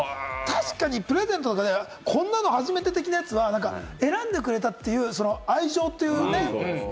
プレゼント、こんなの初めて的なやつは選んでくれたという愛情というね。